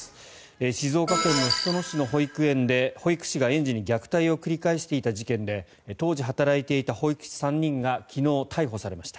静岡県裾野市の保育園で保育士が園児に虐待を繰り返していた事件で当時、働いていた保育士３人が昨日、逮捕されました。